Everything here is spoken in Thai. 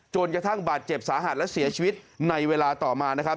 จนกระทั่งบาดเจ็บสาหัสและเสียชีวิตในเวลาต่อมานะครับ